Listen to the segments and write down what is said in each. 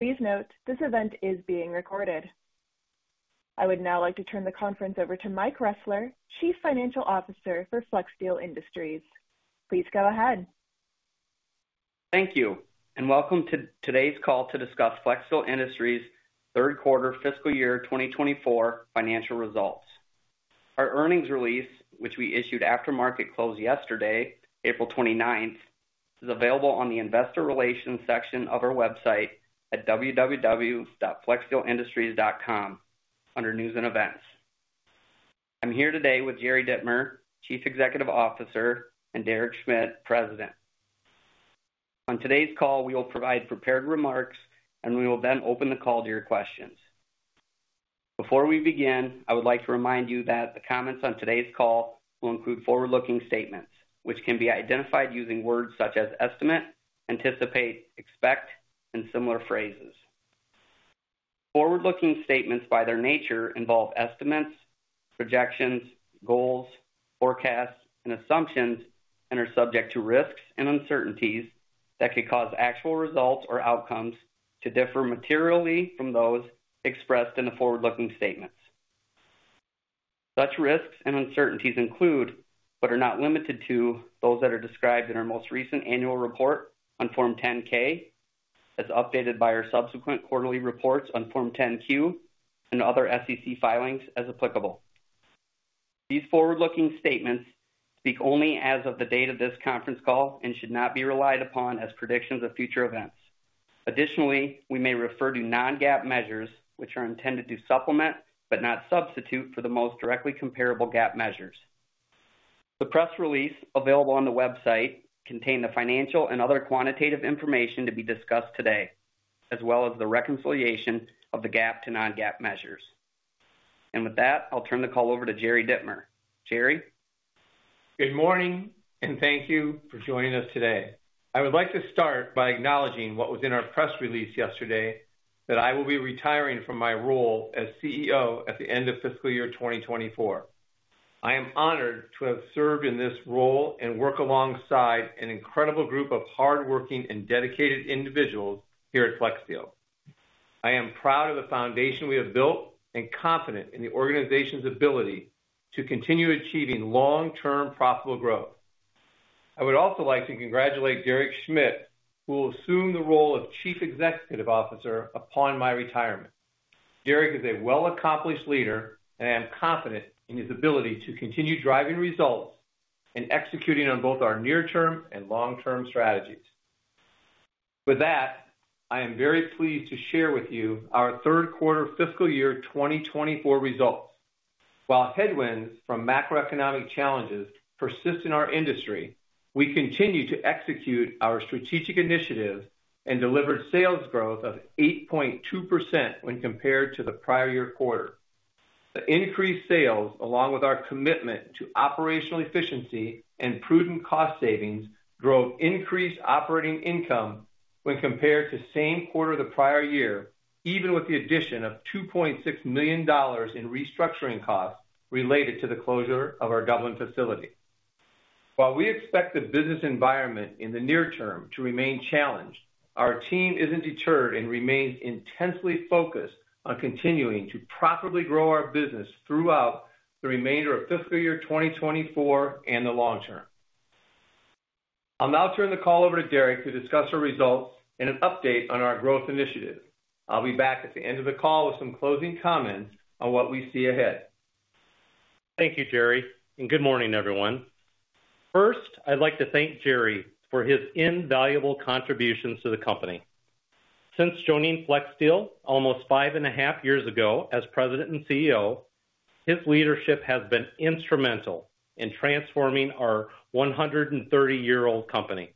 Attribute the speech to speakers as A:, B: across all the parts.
A: Please note, this event is being recorded. I would now like to turn the conference over to Mike Ressler, Chief Financial Officer for Flexsteel Industries. Please go ahead.
B: Thank you, and welcome to today's call to discuss Flexsteel Industries' third quarter fiscal year 2024 financial results. Our earnings release, which we issued after market close yesterday, April 29th, is available on the investor relations section of our website at www.flexsteelindustries.com, under News and Events. I'm here today with Jerry Dittmer, Chief Executive Officer, and Derek Schmidt, President. On today's call, we will provide prepared remarks, and we will then open the call to your questions. Before we begin, I would like to remind you that the comments on today's call will include forward-looking statements, which can be identified using words such as estimate, anticipate, expect, and similar phrases. Forward-looking statements, by their nature, involve estimates, projections, goals, forecasts, and assumptions, and are subject to risks and uncertainties that could cause actual results or outcomes to differ materially from those expressed in the forward-looking statements. Such risks and uncertainties include, but are not limited to, those that are described in our most recent annual report on Form 10-K, as updated by our subsequent quarterly reports on Form 10-Q and other SEC filings, as applicable. These forward-looking statements speak only as of the date of this conference call and should not be relied upon as predictions of future events. Additionally, we may refer to non-GAAP measures, which are intended to supplement, but not substitute for, the most directly comparable GAAP measures. The press release available on the website contain the financial and other quantitative information to be discussed today, as well as the reconciliation of the GAAP to non-GAAP measures. And with that, I'll turn the call over to Jerry Dittmer. Jerry?
C: Good morning, and thank you for joining us today. I would like to start by acknowledging what was in our press release yesterday, that I will be retiring from my role as CEO at the end of fiscal year 2024. I am honored to have served in this role and work alongside an incredible group of hardworking and dedicated individuals here at Flexsteel. I am proud of the foundation we have built and confident in the organization's ability to continue achieving long-term profitable growth. I would also like to congratulate Derek Schmidt, who will assume the role of Chief Executive Officer upon my retirement. Derek is a well accomplished leader, and I am confident in his ability to continue driving results and executing on both our near-term and long-term strategies. With that, I am very pleased to share with you our third quarter fiscal year 2024 results. While headwinds from macroeconomic challenges persist in our industry, we continue to execute our strategic initiatives and delivered sales growth of 8.2% when compared to the prior year quarter. The increased sales, along with our commitment to operational efficiency and prudent cost savings, drove increased operating income when compared to same quarter the prior year, even with the addition of $2.6 million in restructuring costs related to the closure of our Dublin facility. While we expect the business environment in the near term to remain challenged, our team isn't deterred and remains intensely focused on continuing to profitably grow our business throughout the remainder of fiscal year 2024 and the long term. I'll now turn the call over to Derek to discuss our results and an update on our growth initiatives. I'll be back at the end of the call with some closing comments on what we see ahead.
D: Thank you, Jerry, and good morning, everyone. First, I'd like to thank Jerry for his invaluable contributions to the company. Since joining Flexsteel almost 5.5 years ago as President and CEO, his leadership has been instrumental in transforming our 130-year-old company.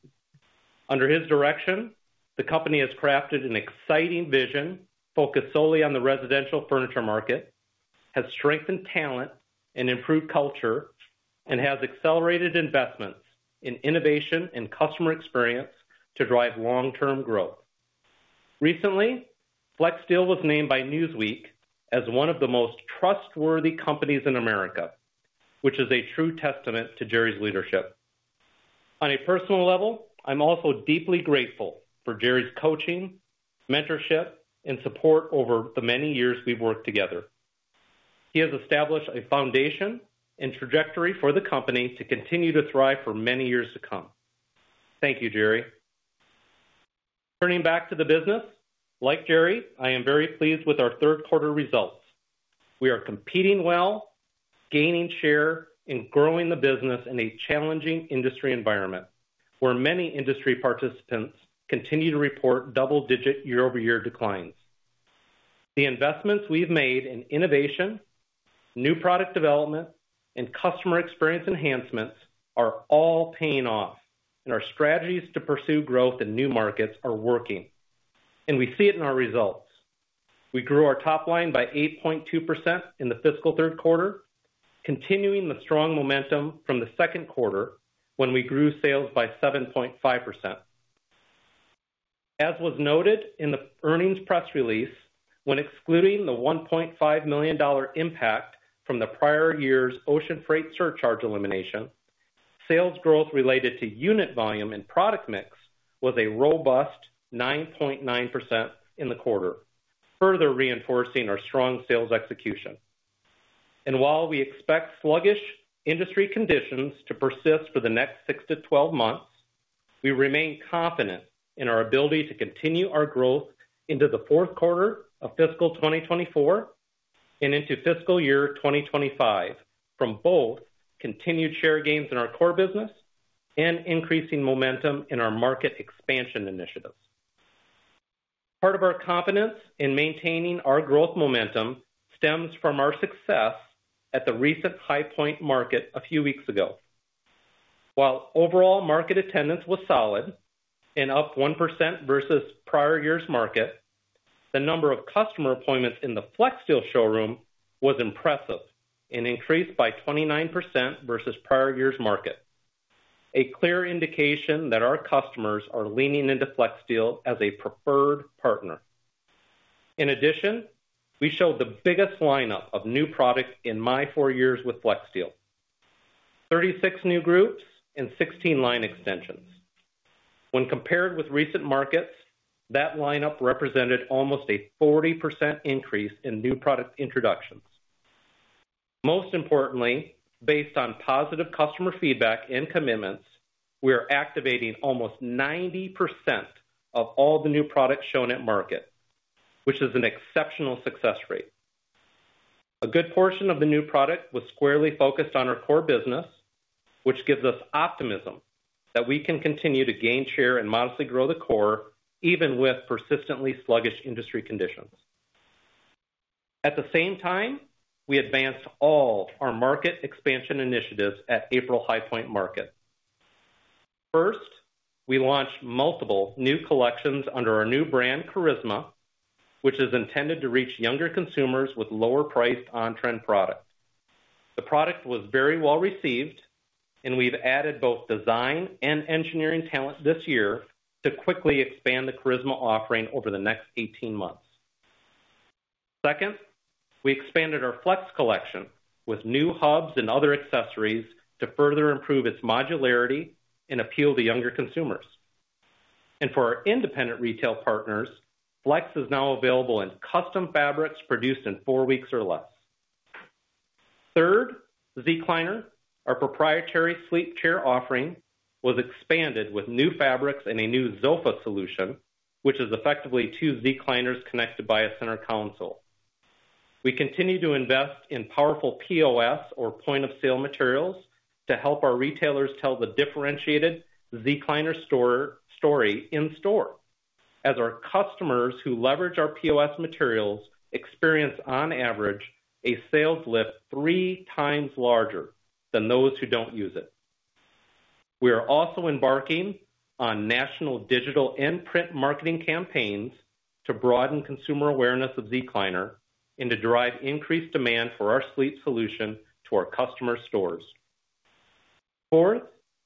D: Under his direction, the company has crafted an exciting vision focused solely on the residential furniture market, has strengthened talent and improved culture, and has accelerated investments in innovation and customer experience to drive long-term growth. Recently, Flexsteel was named by Newsweek as one of the most trustworthy companies in America, which is a true testament to Jerry's leadership. On a personal level, I'm also deeply grateful for Jerry's coaching, mentorship, and support over the many years we've worked together. He has established a foundation and trajectory for the company to continue to thrive for many years to come. Thank you, Jerry. Turning back to the business, like Jerry, I am very pleased with our third quarter results. We are competing well, gaining share, and growing the business in a challenging industry environment, where many industry participants continue to report double-digit year-over-year declines. The investments we've made in innovation, new product development, and customer experience enhancements are all paying off, and our strategies to pursue growth in new markets are working, and we see it in our results. We grew our top line by 8.2% in the fiscal third quarter, continuing the strong momentum from the second quarter, when we grew sales by 7.5%. As was noted in the earnings press release, when excluding the $1.5 million impact from the prior year's ocean freight surcharge elimination-... Sales growth related to unit volume and product mix was a robust 9.9% in the quarter, further reinforcing our strong sales execution. While we expect sluggish industry conditions to persist for the next 6-12 months, we remain confident in our ability to continue our growth into the fourth quarter of fiscal 2024 and into fiscal year 2025, from both continued share gains in our core business and increasing momentum in our market expansion initiatives. Part of our confidence in maintaining our growth momentum stems from our success at the recent High Point Market a few weeks ago. While overall market attendance was solid and up 1% versus prior year's market, the number of customer appointments in the Flexsteel showroom was impressive and increased by 29% versus prior year's market. A clear indication that our customers are leaning into Flexsteel as a preferred partner. In addition, we showed the biggest lineup of new products in my four years with Flexsteel, 36 new groups and 16 line extensions. When compared with recent markets, that lineup represented almost a 40% increase in new product introductions. Most importantly, based on positive customer feedback and commitments, we are activating almost 90% of all the new products shown at market, which is an exceptional success rate. A good portion of the new product was squarely focused on our core business, which gives us optimism that we can continue to gain share and modestly grow the core, even with persistently sluggish industry conditions. At the same time, we advanced all our market expansion initiatives at April High Point Market. First, we launched multiple new collections under our new brand, Charisma, which is intended to reach younger consumers with lower priced, on-trend products. The product was very well received, and we've added both design and engineering talent this year to quickly expand the Charisma offering over the next 18 months. Second, we expanded our Flex collection with new hubs and other accessories to further improve its modularity and appeal to younger consumers. And for our independent retail partners, Flex is now available in custom fabrics produced in four weeks or less. Third, Zecliner, our proprietary sleep chair offering, was expanded with new fabrics and a new Zofa solution, which is effectively two Zecliners connected by a center console. We continue to invest in powerful POS or point-of-sale materials, to help our retailers tell the differentiated Zecliner store story in store, as our customers who leverage our POS materials experience, on average, a sales lift three times larger than those who don't use it. We are also embarking on national, digital, and print marketing campaigns to broaden consumer awareness of Zecliner and to derive increased demand for our sleep solution to our customer stores. Fourth,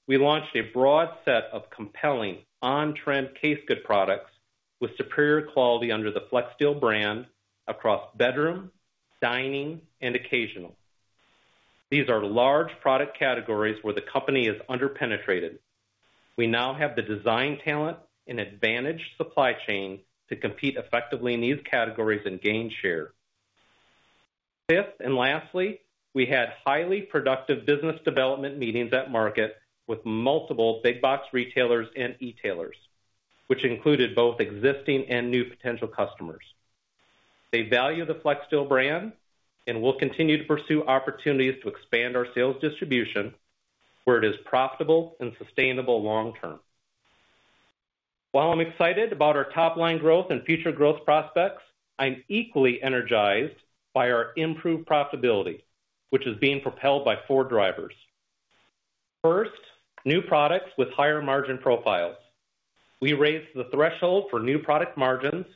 D: we launched a broad set of compelling, on-trend case goods products with superior quality under the Flexsteel brand across bedroom, dining, and occasional. These are large product categories where the company is under-penetrated. We now have the design talent and advantaged supply chain to compete effectively in these categories and gain share. Fifth, and lastly, we had highly productive business development meetings at market with multiple big box retailers and e-tailers, which included both existing and new potential customers. They value the Flexsteel brand, and we'll continue to pursue opportunities to expand our sales distribution where it is profitable and sustainable long term. While I'm excited about our top line growth and future growth prospects, I'm equally energized by our improved profitability, which is being propelled by four drivers. First, new products with higher margin profiles. We raised the threshold for new product margins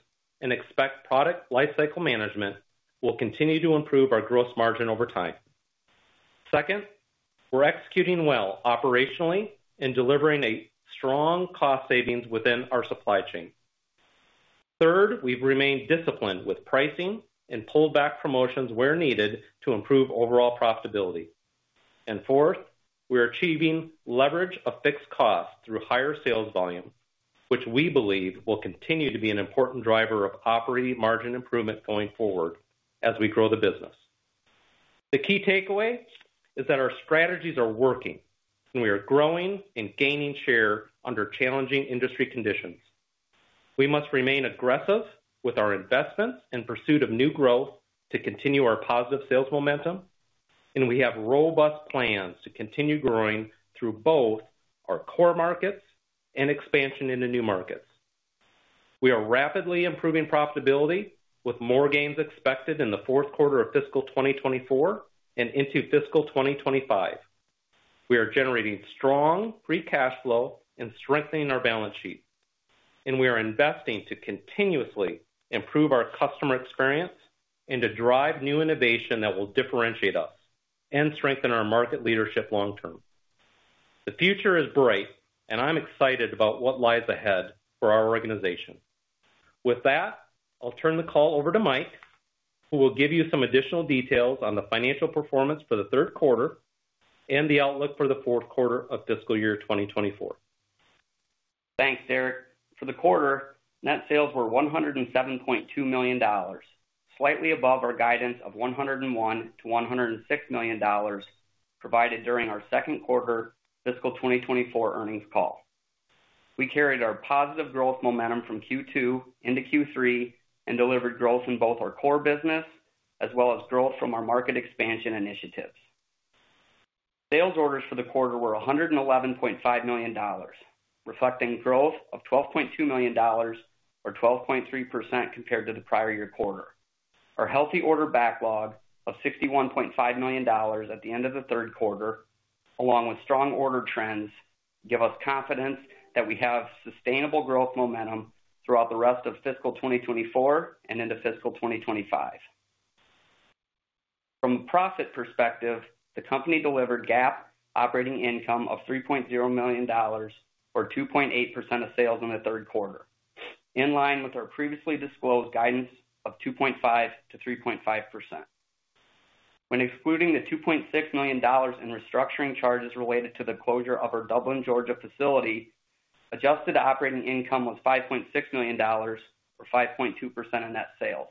D: and expect product lifecycle management will continue to improve our gross margin over time. Second, we're executing well operationally and delivering a strong cost savings within our supply chain. Third, we've remained disciplined with pricing and pulled back promotions where needed to improve overall profitability. And fourth, we are achieving leverage of fixed costs through higher sales volume, which we believe will continue to be an important driver of operating margin improvement going forward as we grow the business. The key takeaway is that our strategies are working, and we are growing and gaining share under challenging industry conditions. We must remain aggressive with our investments and pursuit of new growth to continue our positive sales momentum, and we have robust plans to continue growing through both our core markets and expansion into new markets. We are rapidly improving profitability with more gains expected in the fourth quarter of fiscal 2024 and into fiscal 2025. We are generating strong free cash flow and strengthening our balance sheet, and we are investing to continuously improve our customer experience and to drive new innovation that will differentiate us and strengthen our market leadership long term. The future is bright, and I'm excited about what lies ahead for our organization. ...With that, I'll turn the call over to Mike, who will give you some additional details on the financial performance for the third quarter and the outlook for the fourth quarter of fiscal year 2024.
B: Thanks, Derek. For the quarter, net sales were $107.2 million, slightly above our guidance of $101 million-$106 million, provided during our second quarter fiscal 2024 earnings call. We carried our positive growth momentum from Q2 into Q3, and delivered growth in both our core business, as well as growth from our market expansion initiatives. Sales orders for the quarter were $111.5 million, reflecting growth of $12.2 million, or 12.3% compared to the prior year quarter. Our healthy order backlog of $61.5 million at the end of the third quarter, along with strong order trends, give us confidence that we have sustainable growth momentum throughout the rest of fiscal 2024 and into fiscal 2025. From a profit perspective, the company delivered GAAP operating income of $3.0 million, or 2.8% of sales in the third quarter, in line with our previously disclosed guidance of 2.5%-3.5%. When excluding the $2.6 million in restructuring charges related to the closure of our Dublin, Georgia facility, adjusted operating income was $5.6 million, or 5.2% of net sales.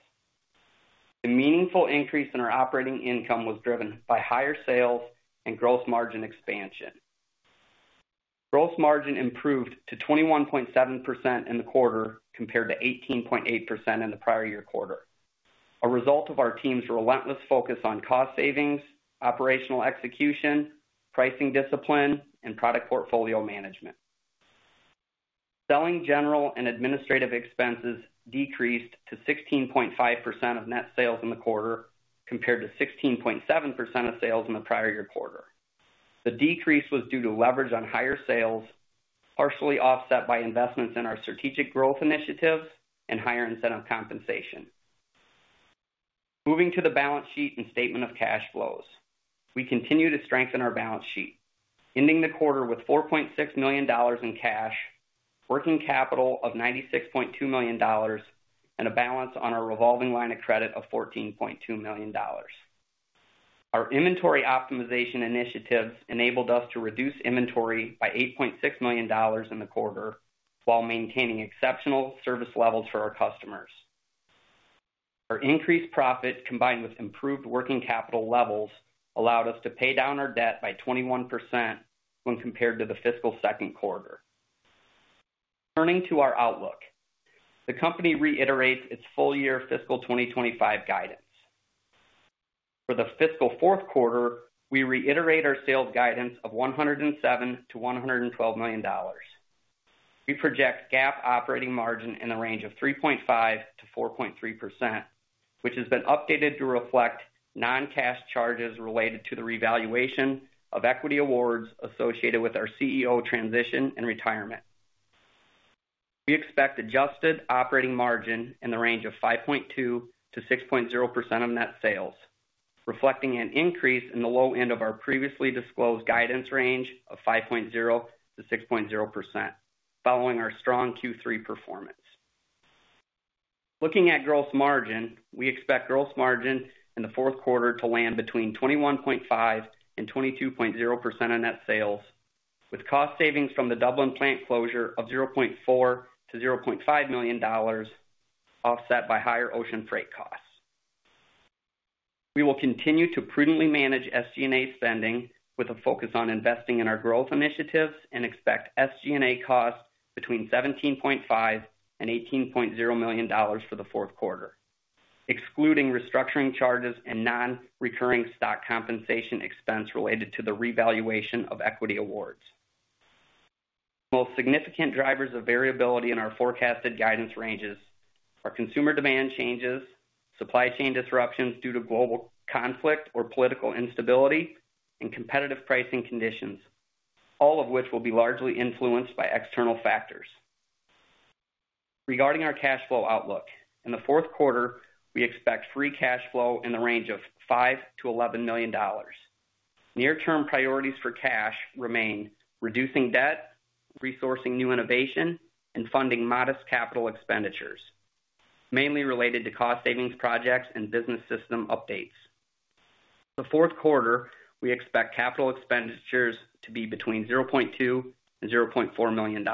B: The meaningful increase in our operating income was driven by higher sales and gross margin expansion. Gross margin improved to 21.7% in the quarter, compared to 18.8% in the prior year quarter, a result of our team's relentless focus on cost savings, operational execution, pricing discipline, and product portfolio management. Selling, general, and administrative expenses decreased to 16.5% of net sales in the quarter, compared to 16.7% of sales in the prior year quarter. The decrease was due to leverage on higher sales, partially offset by investments in our strategic growth initiatives and higher incentive compensation. Moving to the balance sheet and statement of cash flows. We continue to strengthen our balance sheet, ending the quarter with $4.6 million in cash, working capital of $96.2 million, and a balance on our revolving line of credit of $14.2 million. Our inventory optimization initiatives enabled us to reduce inventory by $8.6 million in the quarter, while maintaining exceptional service levels for our customers. Our increased profit, combined with improved working capital levels, allowed us to pay down our debt by 21% when compared to the fiscal second quarter. Turning to our outlook. The company reiterates its full-year fiscal 2025 guidance. For the fiscal fourth quarter, we reiterate our sales guidance of $107 million-$112 million. We project GAAP operating margin in the range of 3.5%-4.3%, which has been updated to reflect non-cash charges related to the revaluation of equity awards associated with our CEO transition and retirement. We expect adjusted operating margin in the range of 5.2%-6.0% of net sales, reflecting an increase in the low end of our previously disclosed guidance range of 5.0%-6.0%, following our strong Q3 performance. Looking at gross margin, we expect gross margin in the fourth quarter to land between 21.5% and 22.0% of net sales, with cost savings from the Dublin plant closure of $0.4 million-$0.5 million, offset by higher ocean freight costs. We will continue to prudently manage SG&A spending, with a focus on investing in our growth initiatives, and expect SG&A costs between $17.5 million and $18.0 million for the fourth quarter, excluding restructuring charges and non-recurring stock compensation expense related to the revaluation of equity awards. Most significant drivers of variability in our forecasted guidance ranges are consumer demand changes, supply chain disruptions due to global conflict or political instability, and competitive pricing conditions, all of which will be largely influenced by external factors. Regarding our cash flow outlook, in the fourth quarter, we expect free cash flow in the range of $5 million-$11 million. Near-term priorities for cash remain reducing debt, resourcing new innovation, and funding modest capital expenditures, mainly related to cost savings projects and business system updates. The fourth quarter, we expect capital expenditures to be between $0.2 million and $0.4 million.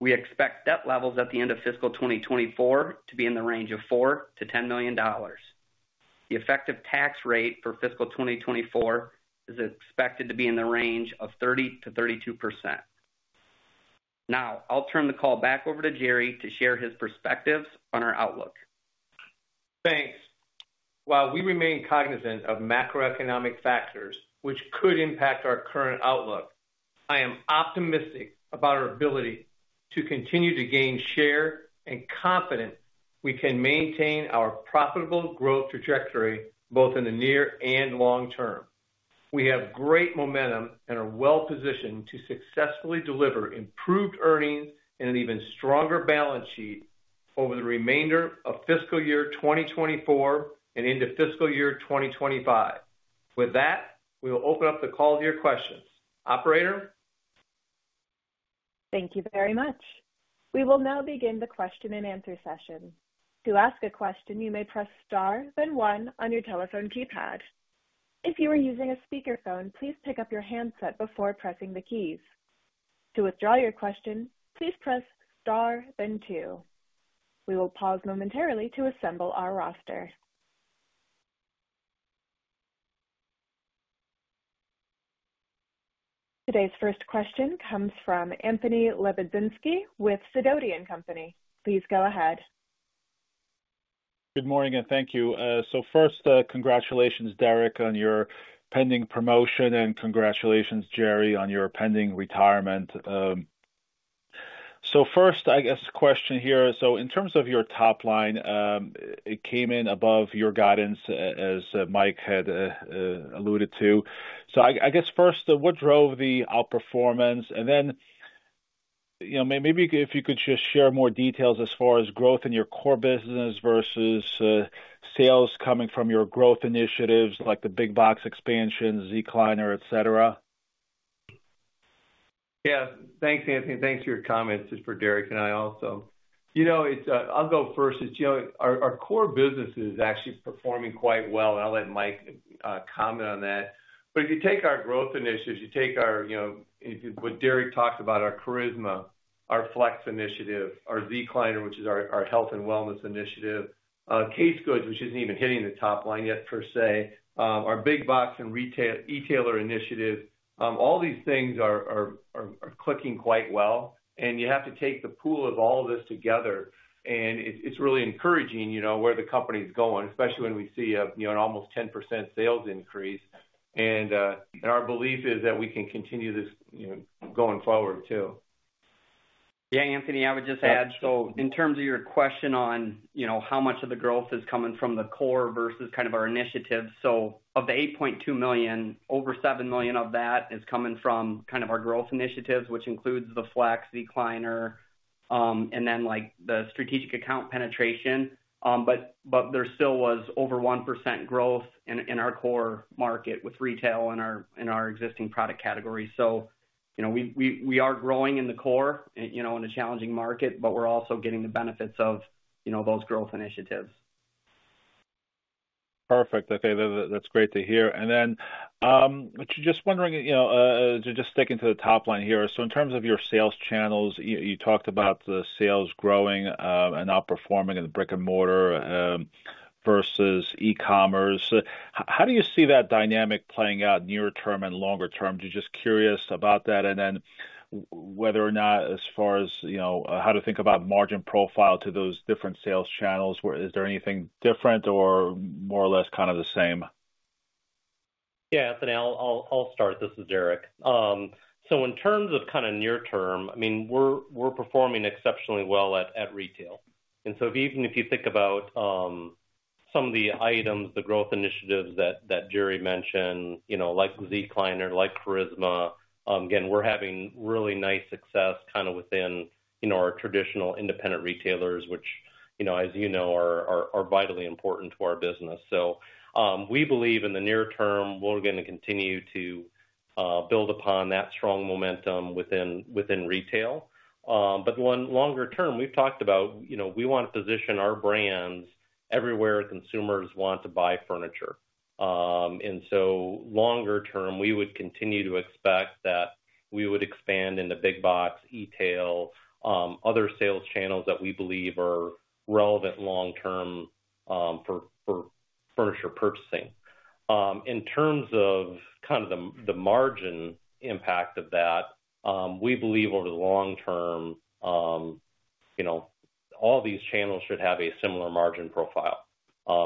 B: We expect debt levels at the end of fiscal 2024 to be in the range of $4 million-$10 million. The effective tax rate for fiscal 2024 is expected to be in the range of 30%-32%. Now, I'll turn the call back over to Jerry to share his perspectives on our outlook.
C: Thanks. While we remain cognizant of macroeconomic factors, which could impact our current outlook, I am optimistic about our ability to continue to gain share and confident we can maintain our profitable growth trajectory, both in the near and long term. We have great momentum and are well positioned to successfully deliver improved earnings and an even stronger balance sheet over the remainder of fiscal year 2024 and into fiscal year 2025. With that, we will open up the call to your questions. Operator?
A: Thank you very much. We will now begin the question-and-answer session. To ask a question, you may press Star, then one on your telephone keypad. If you are using a speakerphone, please pick up your handset before pressing the keys. To withdraw your question, please press Star, then Two. We will pause momentarily to assemble our roster. Today's first question comes from Anthony Lebiedzinski with Sidoti & Company. Please go ahead.
E: Good morning, and thank you. So first, congratulations, Derek, on your pending promotion, and congratulations, Jerry, on your pending retirement. So first, I guess, question here, so in terms of your top line, it came in above your guidance, as Mike had alluded to. So I guess first, what drove the outperformance? And then, you know, maybe if you could just share more details as far as growth in your core business versus sales coming from your growth initiatives, like the big box expansion, Zecliner, et cetera.
C: Yeah. Thanks, Anthony. Thanks for your comments. As for Derek and I also. You know, it's... I'll go first. As you know, our core business is actually performing quite well, and I'll let Mike comment on that. But if you take our growth initiatives, you take our, you know, what Derek talked about, our Charisma, our Flex initiative, our Zecliner, which is our health and wellness initiative, Case Goods, which isn't even hitting the top line yet, per se, our big box and retail-e-tailer initiative, all these things are clicking quite well, and you have to take the pool of all of this together, and it's really encouraging, you know, where the company is going, especially when we see, you know, an almost 10% sales increase. And our belief is that we can continue this, you know, going forward, too.
B: Yeah, Anthony, I would just add, so in terms of your question on, you know, how much of the growth is coming from the core versus kind of our initiatives, so of the $8.2 million, over $7 million of that is coming from kind of our growth initiatives, which includes the Flex, Zecliner, and then, like, the strategic account penetration. But there still was over 1% growth in our core market with retail and our—in our existing product categories. So, you know, we are growing in the core, you know, in a challenging market, but we're also getting the benefits of, you know, those growth initiatives.
E: Perfect. Okay, that, that's great to hear. And then, just wondering, you know, just sticking to the top line here. So in terms of your sales channels, you, you talked about the sales growing, and outperforming in the brick-and-mortar, versus e-commerce. How do you see that dynamic playing out near term and longer term? Just curious about that, and then whether or not, as far as, you know, how to think about margin profile to those different sales channels. Is there anything different or more or less kind of the same?
D: Yeah, Anthony, I'll start. This is Derek. So in terms of kind of near term, I mean, we're performing exceptionally well at retail. And so even if you think about some of the items, the growth initiatives that Jerry mentioned, you know, like Zecliner, like Charisma, again, we're having really nice success kind of within our traditional independent retailers, which, you know, as you know, are vitally important to our business. So we believe in the near term, we're gonna continue to build upon that strong momentum within retail. But in the longer term, we've talked about, you know, we want to position our brands everywhere consumers want to buy furniture. And so longer term, we would continue to expect that we would expand in the big box, e-tail, other sales channels that we believe are relevant long term, for furniture purchasing. In terms of kind of the margin impact of that, we believe over the long term, you know, all these channels should have a similar margin profile.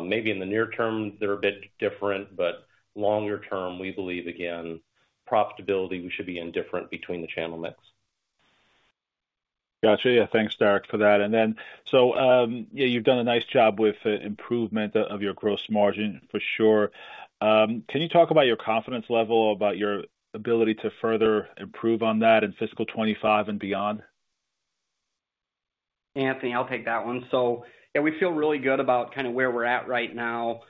D: Maybe in the near term, they're a bit different, but longer term, we believe, again, profitability, we should be indifferent between the channel mix.
E: Got you. Yeah. Thanks, Derek, for that. Then, so, yeah, you've done a nice job with the improvement of your gross margin, for sure. Can you talk about your confidence level about your ability to further improve on that in fiscal 25 and beyond?
B: Anthony, I'll take that one. So yeah, we feel really good about kind of where we're at right now.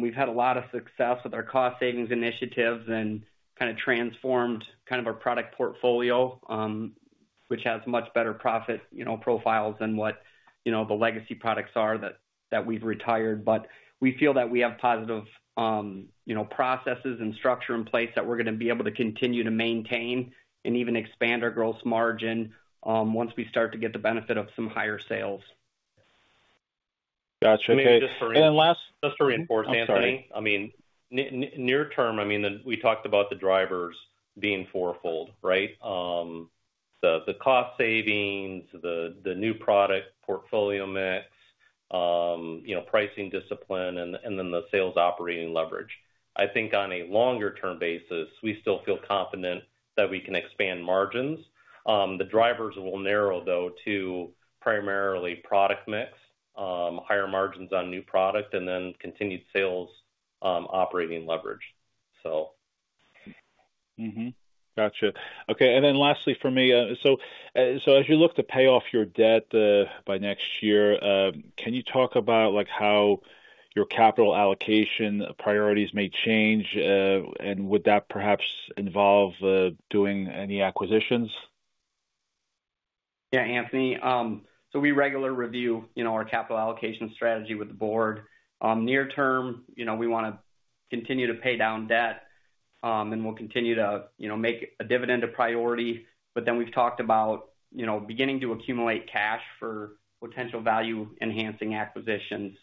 B: We've had a lot of success with our cost savings initiatives and kind of transformed kind of our product portfolio, which has much better profit, you know, profiles than what, you know, the legacy products are that, that we've retired. But we feel that we have positive, you know, processes and structure in place that we're gonna be able to continue to maintain and even expand our gross margin, once we start to get the benefit of some higher sales.
E: Got you. Okay. And last-
D: Just to reinforce, Anthony.
E: I'm sorry.
D: I mean, near term, I mean, we talked about the drivers being fourfold, right? The cost savings, the new product portfolio mix, you know, pricing discipline, and then the sales operating leverage. I think on a longer-term basis, we still feel confident that we can expand margins. The drivers will narrow, though, to primarily product mix, higher margins on new product, and then continued sales, operating leverage. So......
E: Mm-hmm. Gotcha. Okay, and then lastly for me, so as you look to pay off your debt by next year, can you talk about, like, how your capital allocation priorities may change? And would that perhaps involve doing any acquisitions?
B: Yeah, Anthony. We regularly review, you know, our capital allocation strategy with the board. Near term, you know, we wanna continue to pay down debt, and we'll continue to, you know, make a dividend a priority. But then we've talked about, you know, beginning to accumulate cash for potential value-enhancing acquisitions.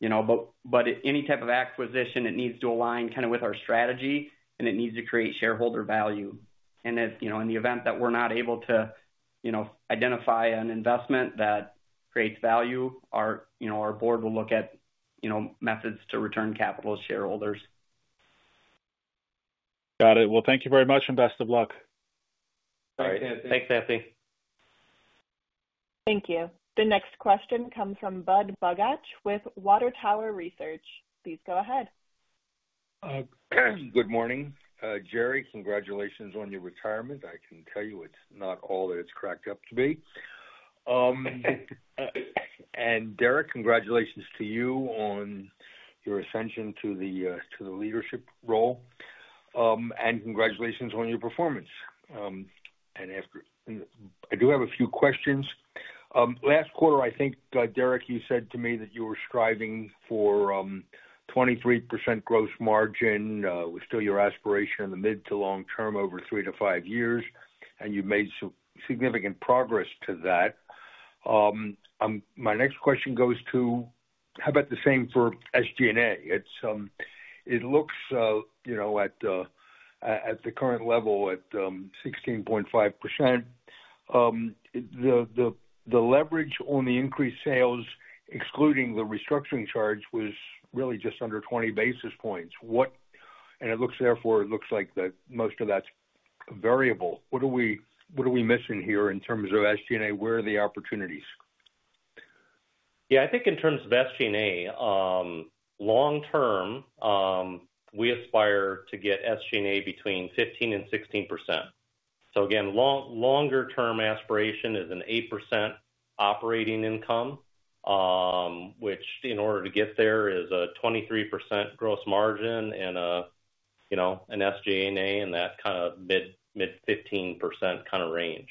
B: You know, but any type of acquisition, it needs to align kinda with our strategy, and it needs to create shareholder value. And if, you know, in the event that we're not able to, you know, identify an investment that creates value, our, you know, our board will look at, you know, methods to return capital to shareholders.
E: Got it. Well, thank you very much, and best of luck.
D: All right. Thanks, Anthony.
A: Thank you. The next question comes from Budd Bugatch with Water Tower Research. Please go ahead.
F: Good morning. Jerry, congratulations on your retirement. I can tell you it's not all that it's cracked up to be. Derek, congratulations to you on your ascension to the leadership role. Congratulations on your performance. After... I do have a few questions. Last quarter, I think, Derek, you said to me that you were striving for 23% Gross Margin, was still your aspiration in the mid to long term, over 3-5 years, and you've made some significant progress to that. My next question goes to, how about the same for SG&A? It looks, you know, at the current level at 16.5%. The leverage on the increased sales, excluding the restructuring charge, was really just under 20 basis points. What and it looks, therefore, it looks like that most of that's variable. What are we missing here in terms of SG&A? Where are the opportunities?
D: Yeah, I think in terms of SG&A, long term, we aspire to get SG&A between 15% and 16%. So again, longer term aspiration is an 8% operating income, which in order to get there, is a 23% gross margin and a, you know, an SG&A in that kind of mid-15% kinda range.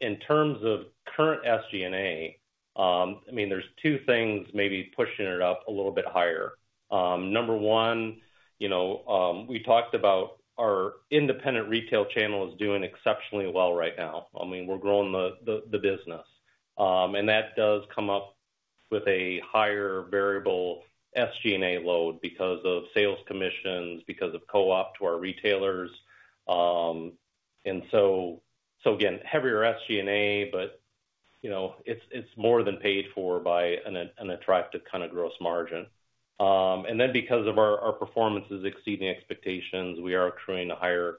D: In terms of current SG&A, I mean, there's two things maybe pushing it up a little bit higher. Number one, you know, we talked about our independent retail channel is doing exceptionally well right now. I mean, we're growing the business. And that does come up with a higher variable SG&A load because of sales commissions, because of co-op to our retailers. And heavier SG&A, but, you know, it's more than paid for by an attractive kind of gross margin. And then because of our performance is exceeding expectations, we are accruing a higher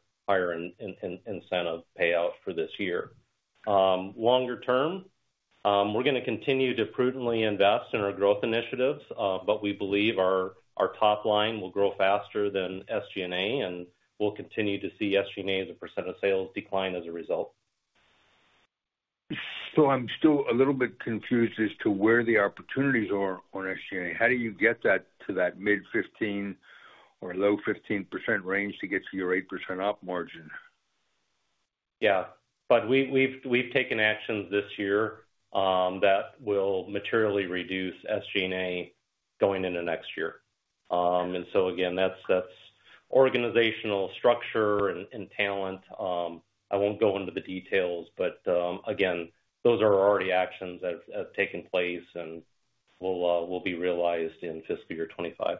D: incentive payout for this year. Longer term, we're gonna continue to prudently invest in our growth initiatives, but we believe our top line will grow faster than SG&A, and we'll continue to see SG&A as a % of sales decline as a result.
F: So I'm still a little bit confused as to where the opportunities are on SG&A. How do you get that to that mid-15 or low 15% range to get to your 8% op margin?
D: Yeah, but we've taken actions this year that will materially reduce SG&A going into next year. And so again, that's organizational structure and talent. I won't go into the details, but again, those are already actions that have taken place and will be realized in fiscal year 25.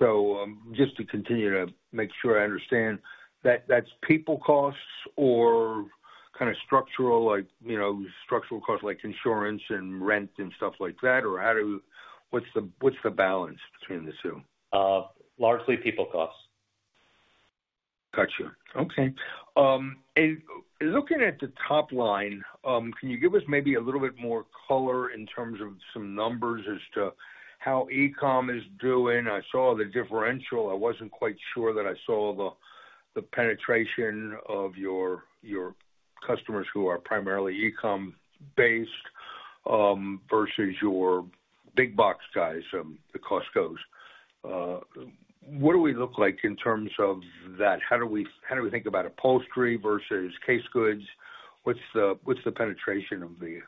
F: So, just to continue to make sure I understand, that's people costs or kinda structural like, you know, structural costs like insurance and rent and stuff like that? Or how do... What's the balance between the two?
D: Largely people costs.
F: Gotcha. Okay. Looking at the top line, can you give us maybe a little bit more color in terms of some numbers as to how e-com is doing? I saw the differential. I wasn't quite sure that I saw the penetration of your customers who are primarily e-com based, versus your big box guys, the Costcos. What do we look like in terms of that? How do we think about upholstery versus case goods? What's the penetration of the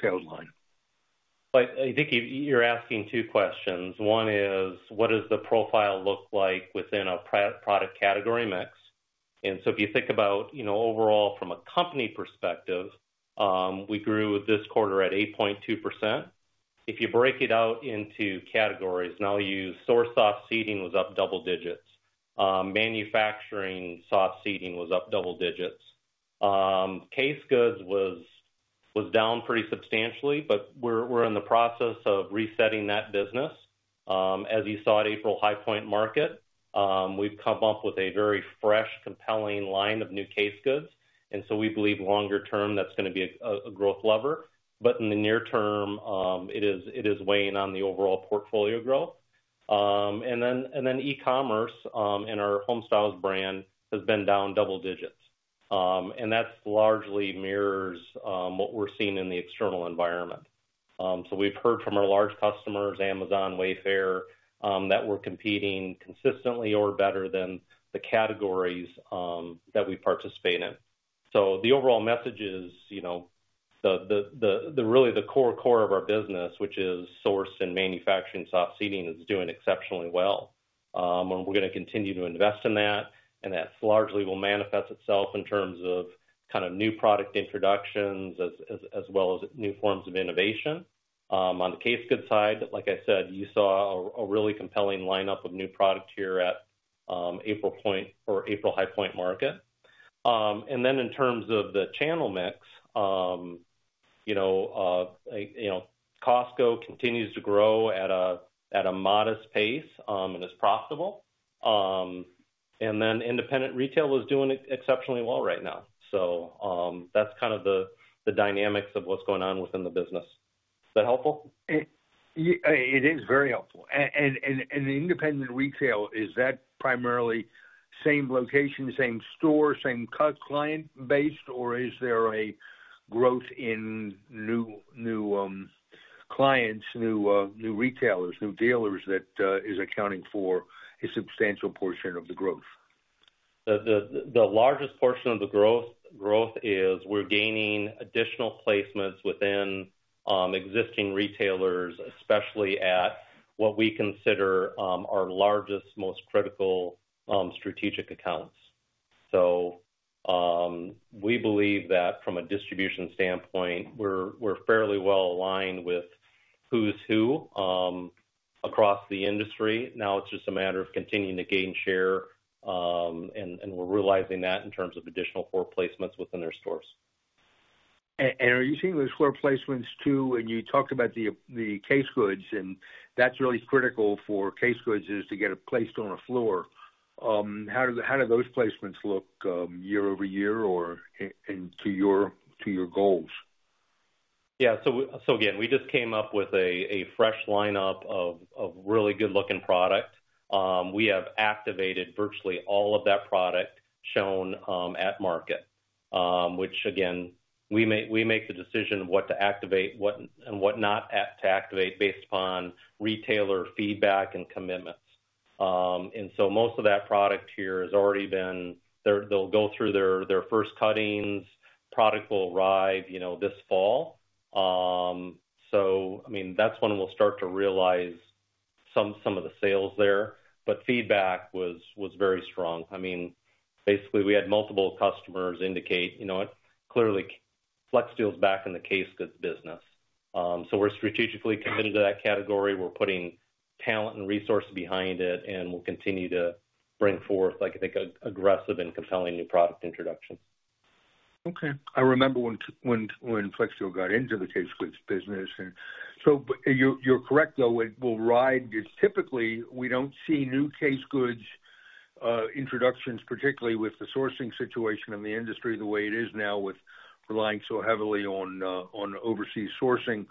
F: sales line?
D: I think you're asking two questions. One is, what does the profile look like within a product category mix? And so if you think about, you know, overall from a company perspective, we grew this quarter at 8.2%. If you break it out into categories, and I'll use sourced soft seating was up double digits. Manufactured soft seating was up double digits. Case Goods was down pretty substantially, but we're in the process of resetting that business. As you saw at April High Point Market, we've come up with a very fresh, compelling line of new Case Goods, and so we believe longer term, that's gonna be a growth lever. But in the near term, it is weighing on the overall portfolio growth. And then e-commerce in our Homestyles brand has been down double digits. And that largely mirrors what we're seeing in the external environment. So we've heard from our large customers, Amazon, Wayfair, that we're competing consistently or better than the categories that we participate in. So the overall message is, you know, the really the core of our business, which is sourcing and manufacturing, soft seating, is doing exceptionally well. And we're gonna continue to invest in that, and that largely will manifest itself in terms of kind of new product introductions as well as new forms of innovation. On the case goods side, like I said, you saw a really compelling lineup of new product here at High Point Market. And then in terms of the channel mix, you know, Costco continues to grow at a modest pace and is profitable. And then independent retail is doing exceptionally well right now. So, that's kind of the dynamics of what's going on within the business. Is that helpful?
F: It is very helpful. And independent retail, is that primarily same location, same store, same client base, or is there a growth in new clients, new retailers, new dealers, that is accounting for a substantial portion of the growth?
D: The largest portion of the growth is we're gaining additional placements within existing retailers, especially at what we consider our largest, most critical strategic accounts. So, we believe that from a distribution standpoint, we're fairly well aligned with who's who across the industry. Now, it's just a matter of continuing to gain share, and we're realizing that in terms of additional floor placements within their stores.
F: Are you seeing those floor placements, too? And you talked about the case goods, and that's really critical for case goods is to get it placed on a floor. How do those placements look year-over-year or into your goals?
D: Yeah, so again, we just came up with a fresh lineup of really good-looking product. We have activated virtually all of that product shown at market, which again, we make the decision what to activate, what and what not to activate based upon retailer feedback and commitments. And so most of that product here has already been. They'll go through their first cuttings. Product will arrive, you know, this fall. So, I mean, that's when we'll start to realize some of the sales there. But feedback was very strong. I mean, basically, we had multiple customers indicate, you know what? Clearly, Flexsteel's back in the Case Goods business. So we're strategically committed to that category. We're putting talent and resources behind it, and we'll continue to bring forth, I think, a aggressive and compelling new product introduction.
F: Okay. I remember when Flexsteel got into the case goods business. And so you, you're correct, though, it will ride. Typically, we don't see new case goods introductions, particularly with the sourcing situation in the industry, the way it is now, with relying so heavily on overseas sourcing,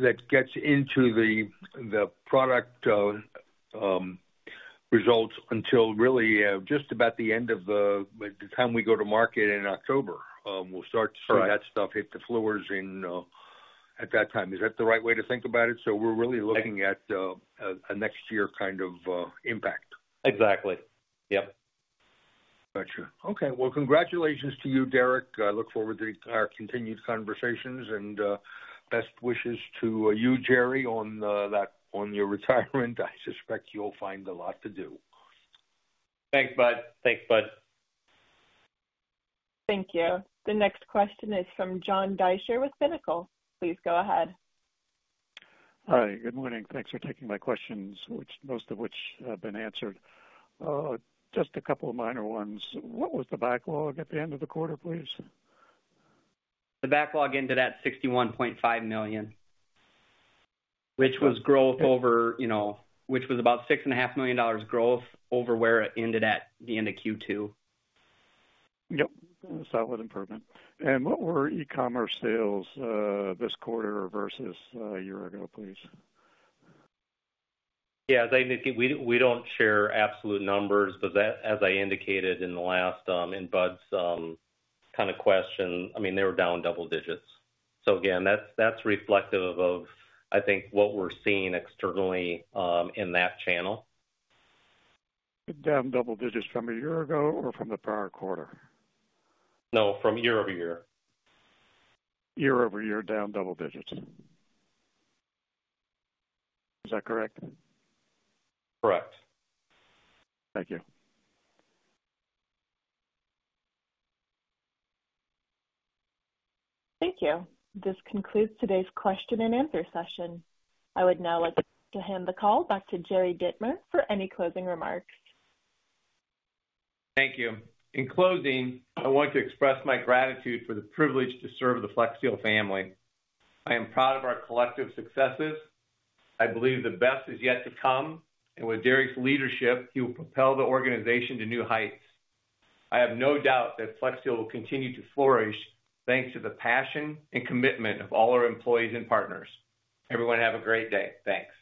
F: that gets into the product results until really just about the end of the, by the time we go to market in October, we'll start to-
D: Right...
F: see that stuff hit the floors in, at that time. Is that the right way to think about it? So we're really looking at a next year kind of impact.
D: Exactly. Yep.
F: Gotcha. Okay, well, congratulations to you, Derek. I look forward to our continued conversations, and, best wishes to you, Jerry, on, that, on your retirement. I suspect you'll find a lot to do.
D: Thanks, Bud.
C: Thanks, Bud.
A: Thank you. The next question is from John Deysher with Pinnacle. Please go ahead.
G: Hi, good morning. Thanks for taking my questions, which, most of which have been answered. Just a couple of minor ones. What was the backlog at the end of the quarter, please?
B: The backlog ended at $61.5 million, which was growth over, you know, which was about $6.5 million dollars growth over where it ended at the end of Q2.
G: Yep, solid improvement. What were e-commerce sales this quarter versus a year ago, please?
D: Yeah, they—we, we don't share absolute numbers, but that, as I indicated in the last, in Bud's kind of question, I mean, they were down double digits. So again, that's reflective of, I think, what we're seeing externally, in that channel.
G: Down double digits from a year ago or from the prior quarter?
D: No, from year-over-year.
G: Year-over-year, down double digits. Is that correct?
D: Correct.
G: Thank you.
A: Thank you. This concludes today's question and answer session. I would now like to hand the call back to Jerry Dittmer for any closing remarks.
C: Thank you. In closing, I want to express my gratitude for the privilege to serve the Flexsteel family. I am proud of our collective successes. I believe the best is yet to come, and with Derek's leadership, he will propel the organization to new heights. I have no doubt that Flexsteel will continue to flourish, thanks to the passion and commitment of all our employees and partners. Everyone, have a great day. Thanks.